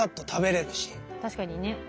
確かにね。